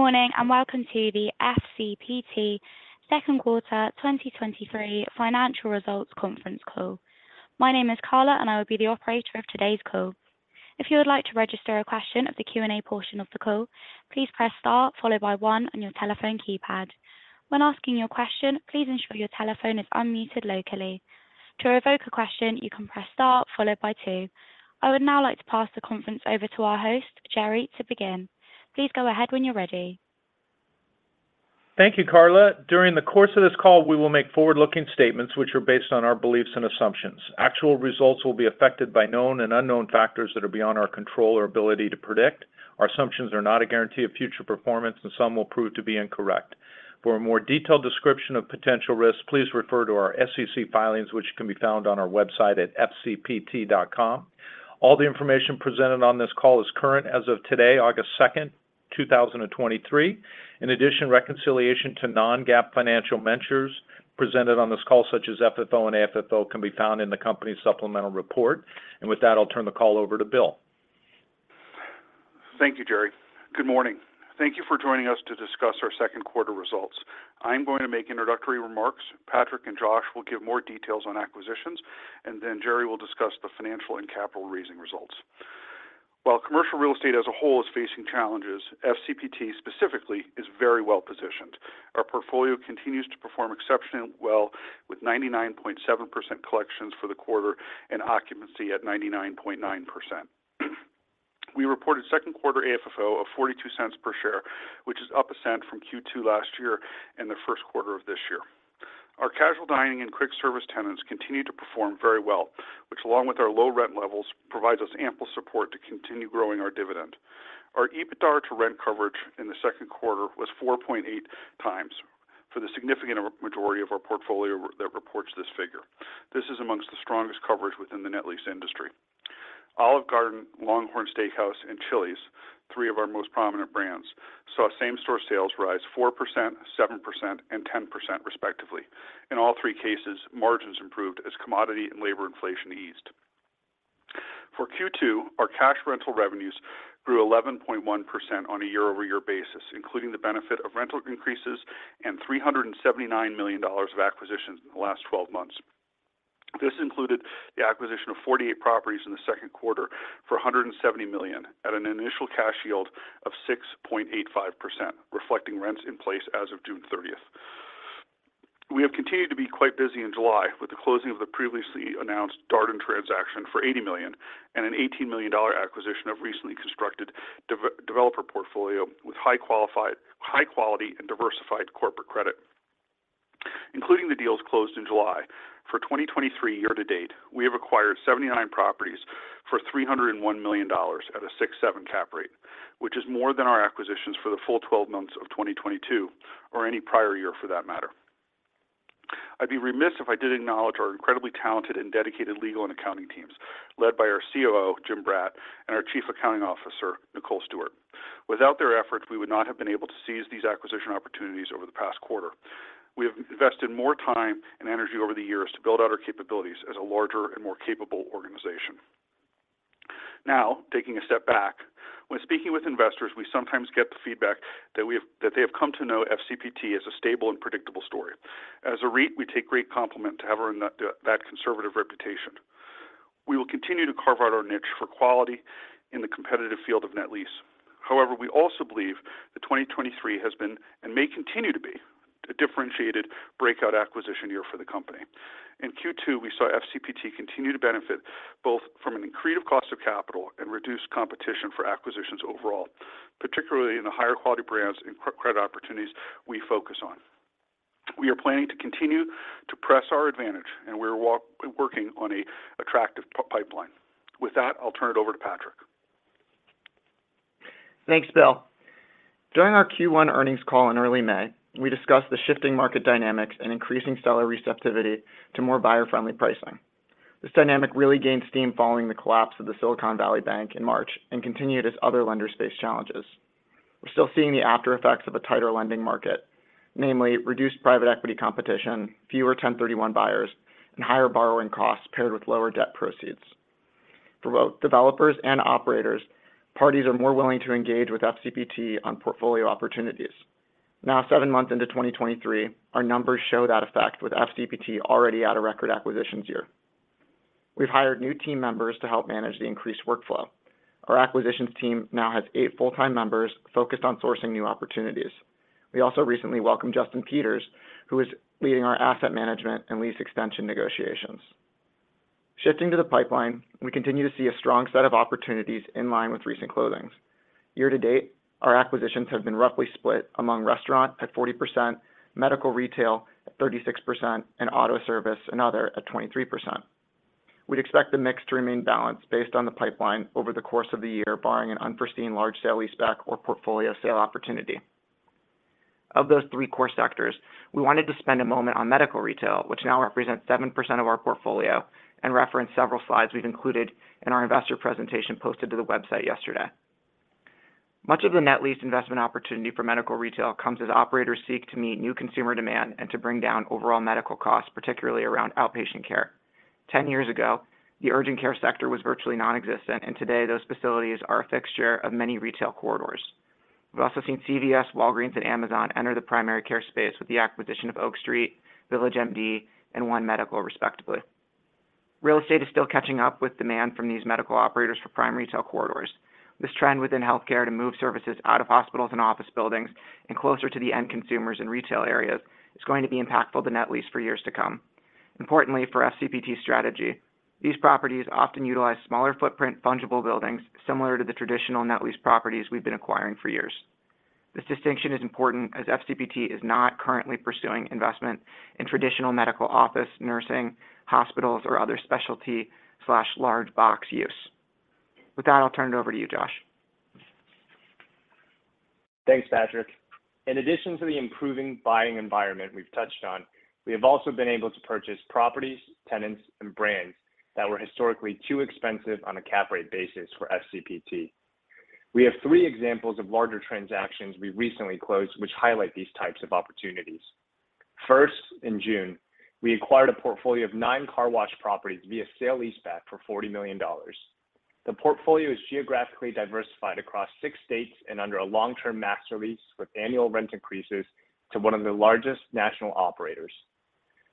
Good morning. Welcome to the FCPT second quarter 2023 financial results conference call. My name is Carla. I will be the operator of today's call. If you would like to register a question of the Q&A portion of the call, please press star followed by one on your telephone keypad. When asking your question, please ensure your telephone is unmuted locally. To revoke a question, you can press star followed by two. I would now like to pass the conference over to our host, Gerry, to begin. Please go ahead when you're ready. Thank you, Carla. During the course of this call, we will make forward-looking statements which are based on our beliefs and assumptions. Actual results will be affected by known and unknown factors that are beyond our control or ability to predict. Our assumptions are not a guarantee of future performance, and some will prove to be incorrect. For a more detailed description of potential risks, please refer to our SEC filings, which can be found on our website at fcpt.com. All the information presented on this call is current as of today, August 2nd, 2023. In addition, reconciliation to non-GAAP financial measures presented on this call, such as FFO and AFFO, can be found in the company's supplemental report. With that, I'll turn the call over to Bill. Thank you, Gerry. Good morning. Thank you for joining us to discuss our second quarter results. I'm going to make introductory remarks, Patrick and Josh will give more details on acquisitions, then Gerry will discuss the financial and capital raising results. While commercial real estate as a whole is facing challenges, FCPT specifically is very well positioned. Our portfolio continues to perform exceptionally well, with 99.7% collections for the quarter and occupancy at 99.9%. We reported second quarter AFFO of $0.42 per share, which is up $0.01 from Q2 last year and the first quarter of this year. Our casual dining and quick service tenants continue to perform very well, which, along with our low rent levels, provides us ample support to continue growing our dividend. Our EBITDA to rent coverage in the second quarter was 4.8x for the significant majority of our portfolio that reports this figure. This is amongst the strongest coverage within the net lease industry. Olive Garden, LongHorn Steakhouse, and Chili's, three of our most prominent brands, saw same-store sales rise 4%, 7%, and 10%, respectively. In all three cases, margins improved as commodity and labor inflation eased. For Q2, our cash rental revenues grew 11.1% on a year-over-year basis, including the benefit of rental increases and $379 million of acquisitions in the last 12 months. This included the acquisition of 48 properties in the second quarter for $170 million at an initial cash yield of 6.85%, reflecting rents in place as of June 30th. We have continued to be quite busy in July with the closing of the previously announced Darden transaction for $80 million and an $18 million acquisition of recently constructed developer portfolio with high quality and diversified corporate credit. Including the deals closed in July, for 2023 year to date, we have acquired 79 properties for $301 million at a 6.7% cap rate, which is more than our acquisitions for the full 12 months of 2022, or any prior year for that matter. I'd be remiss if I didn't acknowledge our incredibly talented and dedicated legal and accounting teams, led by our COO, Jim Brat, and our Chief Accounting Officer, Niccole Stewart. Without their efforts, we would not have been able to seize these acquisition opportunities over the past quarter. We have invested more time and energy over the years to build out our capabilities as a larger and more capable organization. Now, taking a step back, when speaking with investors, we sometimes get the feedback that they have come to know FCPT as a stable and predictable story. As a REIT, we take great compliment to have earned that, that conservative reputation. We will continue to carve out our niche for quality in the competitive field of net lease. However, we also believe that 2023 has been, and may continue to be, a differentiated breakout acquisition year for the company. In Q2, we saw FCPT continue to benefit both from an accretive cost of capital and reduced competition for acquisitions overall, particularly in the higher quality brands and credit opportunities we focus on. We are planning to continue to press our advantage, and we are working on a attractive pipeline. With that, I'll turn it over to Patrick. Thanks, Bill. During our Q1 earnings call in early May, we discussed the shifting market dynamics and increasing seller receptivity to more buyer-friendly pricing. This dynamic really gained steam following the collapse of the Silicon Valley Bank in March and continued as other lenders faced challenges. We're still seeing the aftereffects of a tighter lending market, namely reduced private equity competition, fewer 1031 buyers, and higher borrowing costs paired with lower debt proceeds. For both developers and operators, parties are more willing to engage with FCPT on portfolio opportunities. Now, seven months into 2023, our numbers show that effect, with FCPT already at a record acquisitions year. We've hired new team members to help manage the increased workflow. Our acquisitions team now has eight full-time members focused on sourcing new opportunities. We also recently welcomed Justin Peters, who is leading our asset management and lease extension negotiations. Shifting to the pipeline, we continue to see a strong set of opportunities in line with recent closings. Year to date, our acquisitions have been roughly split among restaurant at 40%, medical retail at 36%, and auto service and other at 23%. We'd expect the mix to remain balanced based on the pipeline over the course of the year, barring an unforeseen large sale lease back or portfolio sale opportunity. Of those three core sectors, we wanted to spend a moment on medical retail, which now represents 7% of our portfolio, and reference several slides we've included in our investor presentation posted to the website yesterday. Much of the net lease investment opportunity for medical retail comes as operators seek to meet new consumer demand and to bring down overall medical costs, particularly around outpatient care. 10 years ago, the urgent care sector was virtually nonexistent, and today those facilities are a fixture of many retail corridors. We've also seen CVS, Walgreens, and Amazon enter the primary care space with the acquisition of Oak Street, VillageMD, and One Medical, respectively. Real estate is still catching up with demand from these medical operators for prime retail corridors. This trend within healthcare to move services out of hospitals and office buildings and closer to the end consumers in retail areas is going to be impactful to net lease for years to come. Importantly, for FCPT's strategy, these properties often utilize smaller footprint, fungible buildings, similar to the traditional net lease properties we've been acquiring for years. This distinction is important as FCPT is not currently pursuing investment in traditional medical office, nursing, hospitals, or other specialty/large box use. With that, I'll turn it over to you, Josh. Thanks, Patrick. In addition to the improving buying environment we've touched on, we have also been able to purchase properties, tenants, and brands that were historically too expensive on a cap rate basis for FCPT. We have three examples of larger transactions we recently closed, which highlight these types of opportunities. First, in June, we acquired a portfolio of nine car wash properties via sale leaseback for $40 million. The portfolio is geographically diversified across six states and under a long-term master lease with annual rent increases to one of the largest national operators.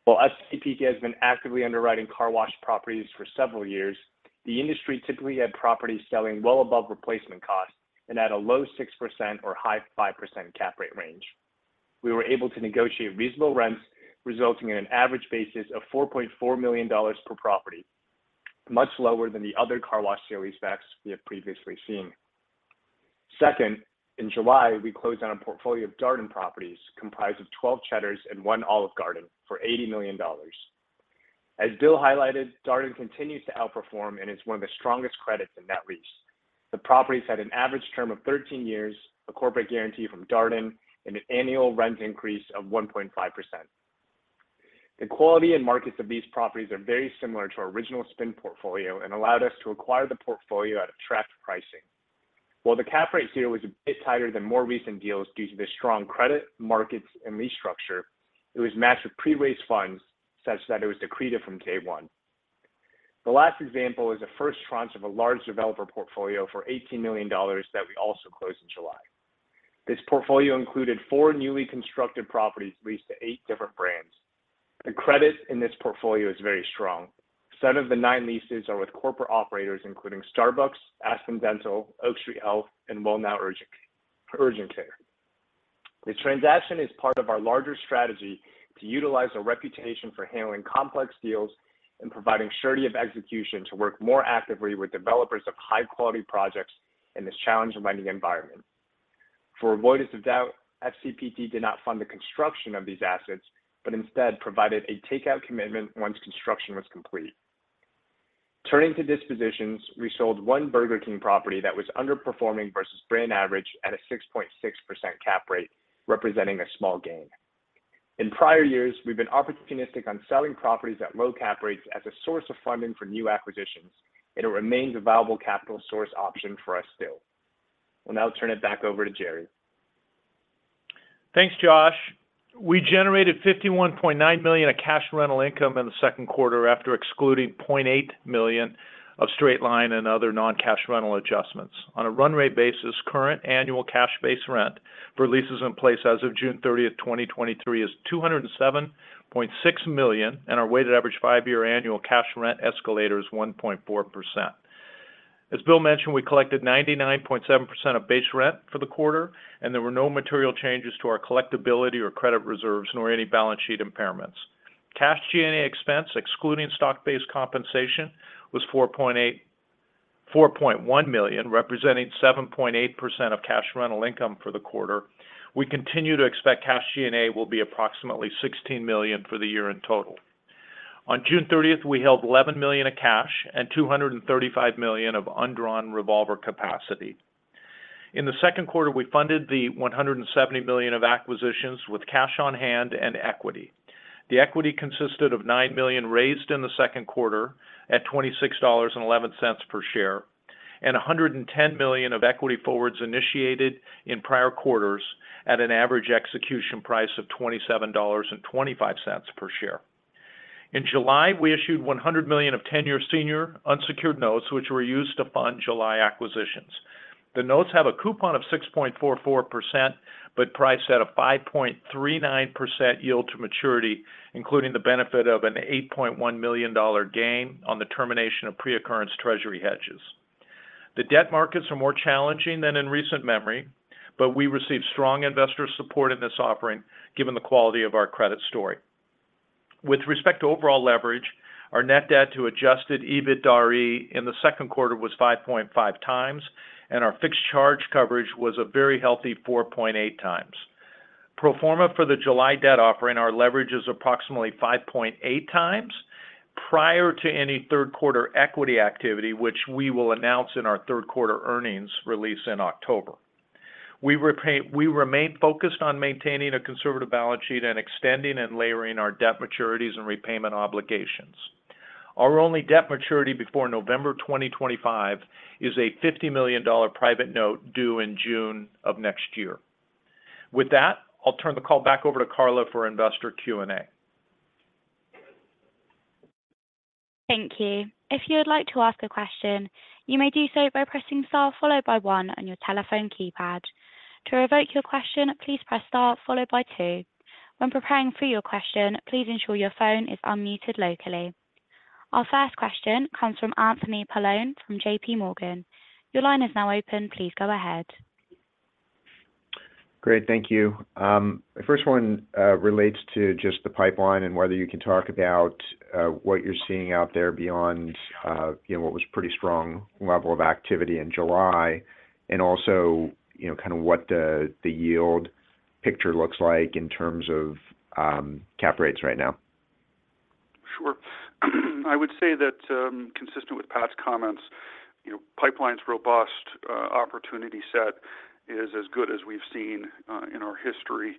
While FCPT has been actively underwriting car wash properties for several years, the industry typically had properties selling well above replacement costs and at a low 6% or high 5% cap rate range. We were able to negotiate reasonable rents, resulting in an average basis of $4.4 million per property, much lower than the other car wash sale leasebacks we have previously seen. Second, in July, we closed on a portfolio of Darden properties comprised of 12 Cheddars and one Olive Garden for $80 million. As Bill highlighted, Darden continues to outperform and is one of the strongest credits in net lease. The properties had an average term of 13 years, a corporate guarantee from Darden, and an annual rent increase of 1.5%. The quality and markets of these properties are very similar to our original spin portfolio and allowed us to acquire the portfolio at attractive pricing. While the cap rate here was a bit tighter than more recent deals due to the strong credit, markets, and lease structure, it was matched with pre-raised funds such that it was accretive from day one. The last example is the first tranche of a large developer portfolio for $18 million that we also closed in July. This portfolio included four newly constructed properties leased to eight different brands. The credit in this portfolio is very strong. seven of the nine leases are with corporate operators, including Starbucks, Aspen Dental, Oak Street Health, and WellNow Urgent Care. The transaction is part of our larger strategy to utilize a reputation for handling complex deals and providing surety of execution to work more actively with developers of high-quality projects in this challenging lending environment. For avoidance of doubt, FCPT did not fund the construction of these assets, but instead provided a takeout commitment once construction was complete. Turning to dispositions, we sold one Burger King property that was underperforming versus brand average at a 6.6% cap rate, representing a small gain. In prior years, we've been opportunistic on selling properties at low cap rates as a source of funding for new acquisitions, and it remains a viable capital source option for us still. We'll now turn it back over to Gerry. Thanks, Josh. We generated $51.9 million of cash rental income in the second quarter, after excluding $0.8 million of straight line and other non-cash rental adjustments. On a run rate basis, current annual cash base rent for leases in place as of June 30th, 2023, is $207.6 million, and our weighted average five-year annual cash rent escalator is 1.4%. As Bill mentioned, we collected 99.7% of base rent for the quarter, and there were no material changes to our collectibility or credit reserves, nor any balance sheet impairments. Cash G&A expense, excluding stock-based compensation, was $4.1 million, representing 7.8% of cash rental income for the quarter. We continue to expect cash G&A will be approximately $16 million for the year in total. On June 30th, we held $11 million of cash and $235 million of undrawn revolver capacity. In the second quarter, we funded the $170 million of acquisitions with cash on hand and equity. The equity consisted of $9 million raised in the second quarter at $26.11 per share, and $110 million of equity forwards initiated in prior quarters at an average execution price of $27.25 per share. In July, we issued $100 million of 10-year senior unsecured notes, which were used to fund July acquisitions. The notes have a coupon of 6.44%, but priced at a 5.39% yield to maturity, including the benefit of an $8.1 million gain on the termination of pre-occurrence treasury hedges. The debt markets are more challenging than in recent memory, but we received strong investor support in this offering, given the quality of our credit story. With respect to overall leverage, our net debt to adjusted EBITDAre in the second quarter was 5.5x, and our fixed charge coverage was a very healthy 4.8x. Pro forma for the July debt offering, our leverage is approximately 5.8x prior to any third quarter equity activity, which we will announce in our third quarter earnings release in October. We remain focused on maintaining a conservative balance sheet and extending and layering our debt maturities and repayment obligations. Our only debt maturity before November 2025 is a $50 million private note due in June of next year. With that, I'll turn the call back over to Carla for investor Q&A. Thank you. If you would like to ask a question, you may do so by pressing star, followed by one on your telephone keypad. To revoke your question, please press star, followed by two. When preparing for your question, please ensure your phone is unmuted locally. Our first question comes from Anthony Paolone from JPMorgan. Your line is now open. Please go ahead. Great. Thank you. The first one, relates to just the pipeline and whether you can talk about, what you're seeing out there beyond, you know, what was pretty strong level of activity in July, and also, you know, kind of what the, the yield picture looks like in terms of, cap rates right now. Sure. I would say that, consistent with Pat's comments, you know, pipeline's robust, opportunity set is as good as we've seen, in our history.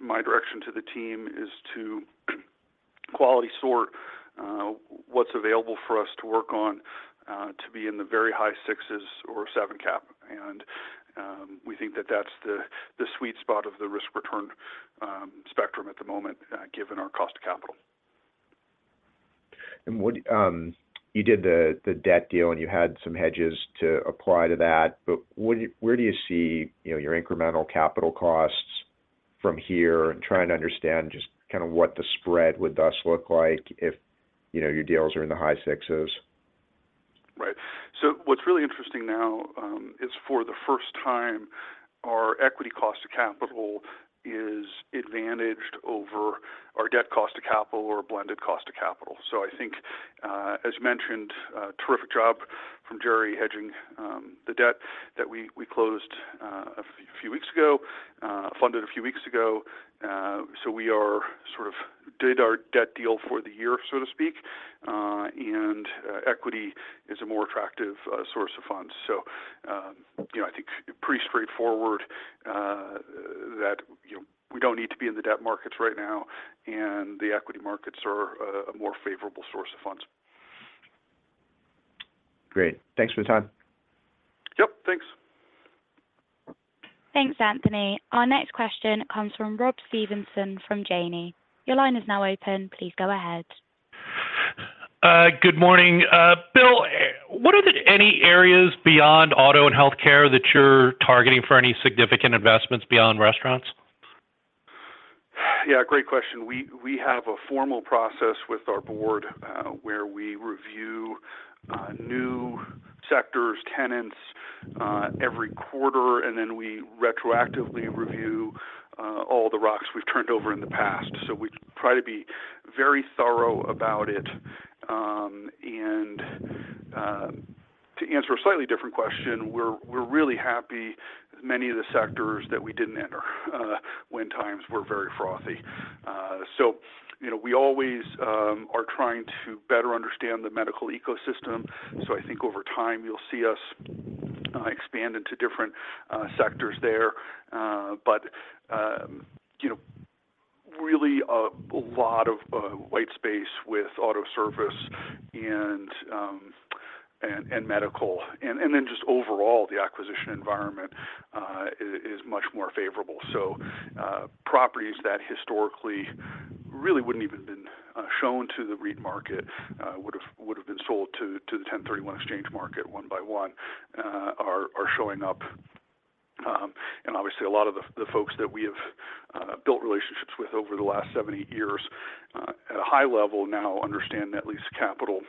My direction to the team is to quality sort, what's available for us to work on, to be in the very high sixs or seven cap. We think that that's the sweet spot of the risk-return spectrum at the moment, given our cost of capital. You did the, the debt deal, and you had some hedges to apply to that. Where do, where do you see, you know, your incremental capital costs from here? I'm trying to understand just kind of what the spread would thus look like if, you know, your deals are in the high sixes. Right. What's really interesting now, is for the first time, our equity cost of capital is advantaged over our debt cost of capital or blended cost of capital. I think, as mentioned, a terrific job from Gerry hedging, the debt that we, we closed, a few weeks ago, funded a few weeks ago. We are sort of did our debt deal for the year, so to speak, equity is a more attractive source of funds. You know, I think pretty straightforward, that, you know, we don't need to be in the debt markets right now, the equity markets are a more favorable source of funds. Great. Thanks for the time. Yep, thanks. Thanks, Anthony. Our next question comes from Rob Stevenson from Janney. Your line is now open. Please go ahead. Good morning. Bill, what are the any areas beyond auto and healthcare that you're targeting for any significant investments beyond restaurants? Yeah, great question. We, we have a formal process with our board, where we review new sectors, tenants, every quarter, and then we retroactively review all the rocks we've turned over in the past. We try to be very thorough about it. To answer a slightly different question, we're, we're really happy with many of the sectors that we didn't enter when times were very frothy. You know, we always are trying to better understand the medical ecosystem. I think over time, you'll see us expand into different sectors there. You know, really a lot of white space with auto service and medical, and, and then just overall, the acquisition environment is much more favorable. Properties that historically really wouldn't even been shown to the REIT market, would have, would have been sold to, to the 1031 exchange market one by one, are, are showing up. And obviously, a lot of the, the folks that we have built relationships with over the last seven, eight years, at a high level now understand that lease capital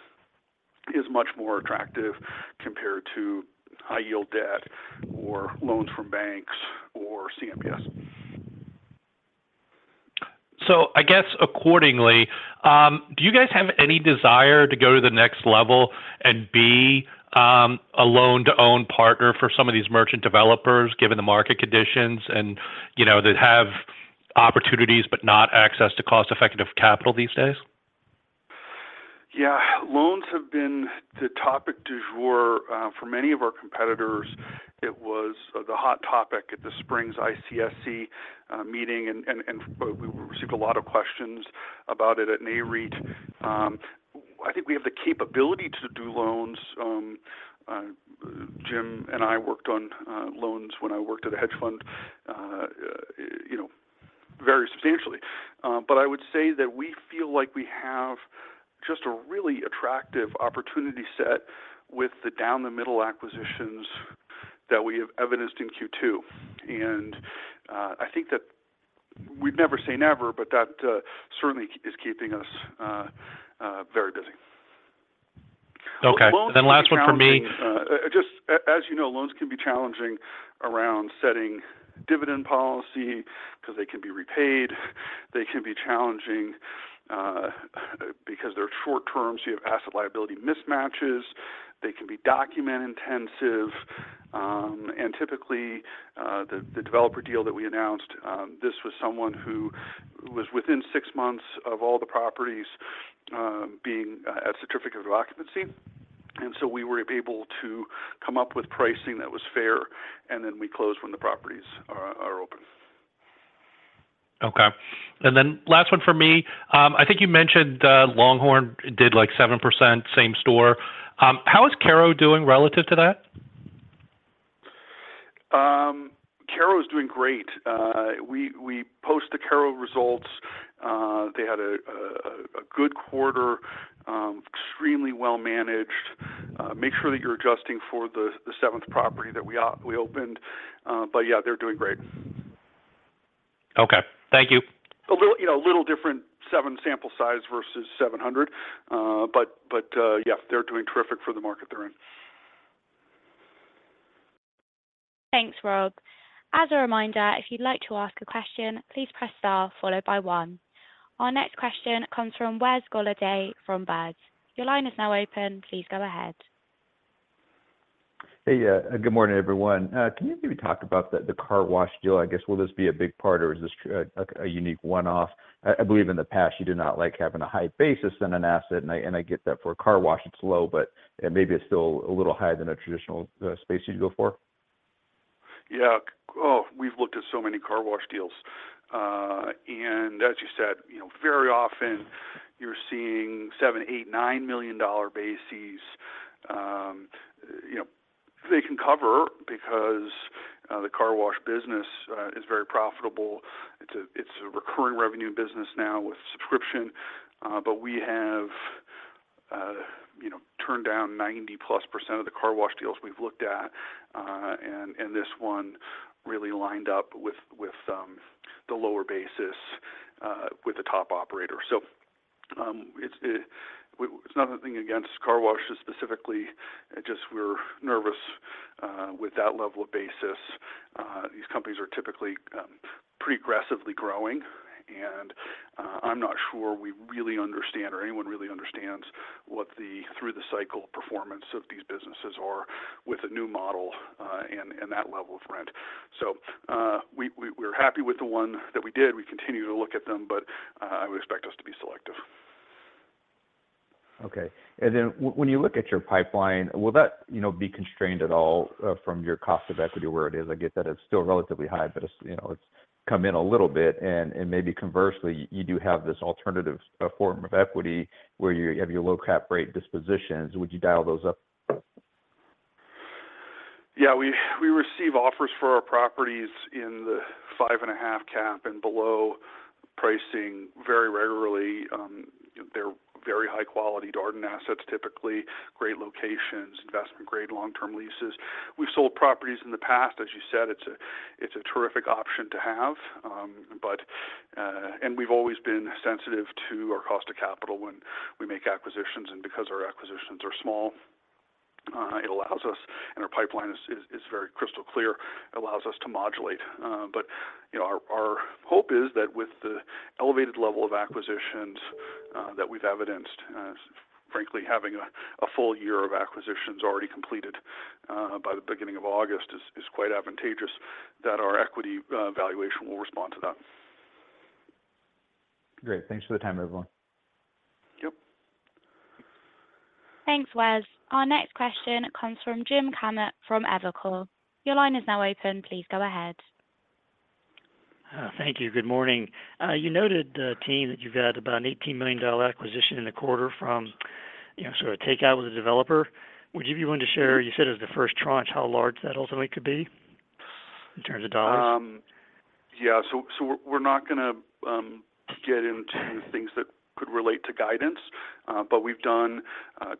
is much more attractive compared to high-yield debt or loans from banks or CMBS. I guess accordingly, do you guys have any desire to go to the next level and be a loan-to-own partner for some of these merchant developers, given the market conditions and, you know, that have opportunities but not access to cost-effective capital these days? Yeah. Loans have been the topic du jour. For many of our competitors, it was the hot topic at the Palm Springs ICSC meeting, and, and, and we received a lot of questions about it at Nareit. I think we have the capability to do loans. Jim and I worked on loans when I worked at a hedge fund, you know, very substantially. I would say that we feel like we have just a really attractive opportunity set with the down-the-middle acquisitions that we have evidenced in Q2. I think that we'd never say never, but that certainly is keeping us very busy. Okay. Last one for me. Just as you know, loans can be challenging around setting dividend policy because they can be repaid. They can be challenging, because they're short-term, so you have asset liability mismatches. They can be document-intensive. Typically, the developer deal that we announced, this was someone who was within six months of all the properties, being a certificate of occupancy. So we were able to come up with pricing that was fair, and then we closed when the properties are, are open. Okay, and then last one for me. I think you mentioned, LongHorn did, like, 7% same-store. How is Caro doing relative to that? Caro is doing great. We, we post the Caro results. They had a good quarter, extremely well managed. Make sure that you're adjusting for the, the seventh property that we, we opened. Yeah, they're doing great. Okay, thank you. A little, you know, a little different, seven sample size versus 700. But, yeah, they're doing terrific for the market they're in. Thanks, Rob. As a reminder, if you'd like to ask a question, please press star followed by one. Our next question comes from Wes Golladay from Baird. Your line is now open. Please go ahead. Hey, good morning, everyone. Can you maybe talk about the car wash deal? I guess, will this be a big part, or is this a unique one-off? I believe in the past, you did not like having a high basis in an asset, and I get that for a car wash, it's low, but maybe it's still a little higher than a traditional space you'd go for. Yeah. Oh, we've looked at so many car wash deals. As you said, you know, very often you're seeing $7 million-$9 million bases. You know, they can cover because the car wash business is very profitable. It's a, it's a recurring revenue business now with subscription, but we have, you know, turned down 90+% of the car wash deals we've looked at. This one really lined up with, with the lower basis with the top operator. It's not a thing against car washes specifically, just we're nervous with that level of basis. These companies are typically pretty aggressively growing, and I'm not sure we really understand or anyone really understands what the through the cycle performance of these businesses are with a new model, and that level of rent. We, we, we're happy with the one that we did. We continue to look at them, but I would expect us to be selective. Okay. Then when you look at your pipeline, will that, you know, be constrained at all from your cost of equity where it is? I get that it's still relatively high, but it's, you know, it's come in a little bit, and maybe conversely, you do have this alternative, form of equity where you have your low cap rate dispositions. Would you dial those up? Yeah, we, we receive offers for our properties in the 5.5 cap and below pricing very regularly. They're very high quality Darden assets, typically, great locations, investment grade, long-term leases. We've sold properties in the past, as you said, it's a, it's a terrific option to have. But we've always been sensitive to our cost of capital when we make acquisitions, and because our acquisitions are small, it allows us, and our pipeline is, is, is very crystal clear, it allows us to modulate. But, you know, our, our hope is that with the elevated level of acquisitions that we've evidenced, frankly, having a, a full year of acquisitions already completed by the beginning of August is, is quite advantageous, that our equity valuation will respond to that. Great. Thanks for the time, everyone. Yep. Thanks, Wes. Our next question comes from Jim Kammert from Evercore. Your line is now open. Please go ahead. Thank you. Good morning. You noted, team, that you've had about an $18 million acquisition in the quarter from, you know, sort of take out with a developer. Would you be willing to share, you said it was the first tranche, how large that ultimately could be in terms of dollars? Yeah, so, so we're, we're not gonna get into things that could relate to guidance, but we've done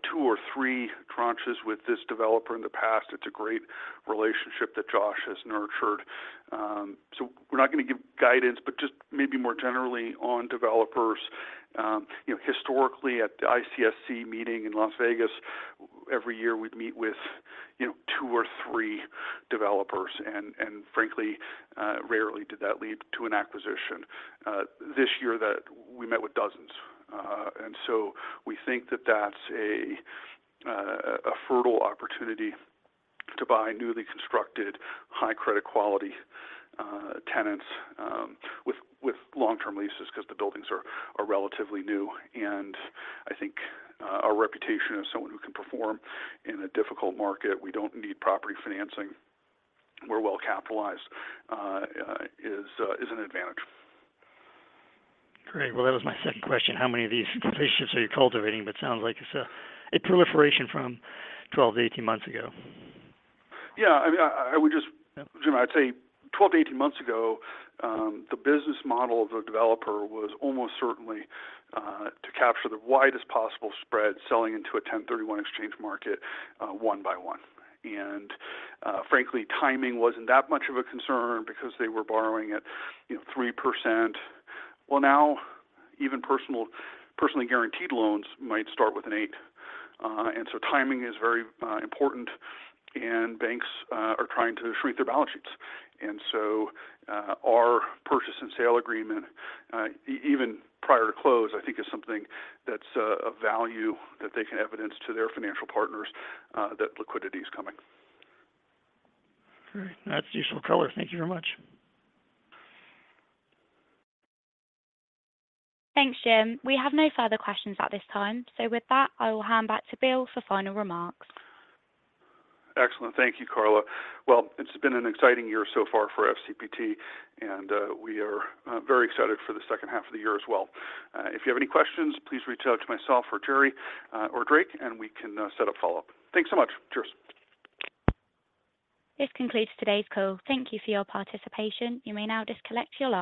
two or three tranches with this developer in the past. It's a great relationship that Josh has nurtured. We're not gonna give guidance, but just maybe more generally on developers. You know, historically, at the ICSC meeting in Las Vegas, every year we'd meet with, you know, two or three developers, and, and frankly, rarely did that lead to an acquisition. This year that we met with dozens. We think that that's a fertile opportunity to buy newly constructed, high credit quality tenants with long-term leases because the buildings are, are relatively new. I think, our reputation as someone who can perform in a difficult market, we don't need property financing, we're well capitalized, is, is an advantage. Great. Well, that was my second question: How many of these relationships are you cultivating? It sounds like it's a proliferation from 12 to 18 months ago. Yeah, I mean, I, I would just- Jim, I'd say 12 to 18 months ago, the business model of the developer was almost certainly to capture the widest possible spread, selling into a 1031 exchange market, one by one. Frankly, timing wasn't that much of a concern because they were borrowing at, you know, 3%. Well, now, even personal- personally guaranteed loans might start with an eight, and so timing is very important, and banks are trying to shrink their balance sheets. Our purchase and sale agreement, e- even prior to close, I think is something that's of value that they can evidence to their financial partners, that liquidity is coming. Great. That's useful color. Thank you very much. Thanks, Jim. We have no further questions at this time. With that, I will hand back to Bill for final remarks. Excellent. Thank you, Carla. Well, it's been an exciting year so far for FCPT, and we are very excited for the second half of the year as well. If you have any questions, please reach out to myself or Gerry, or Drake, and we can set up follow-up. Thanks so much. Cheers. This concludes today's call. Thank you for your participation. You may now disconnect your line.